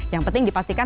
yang penting dipastikan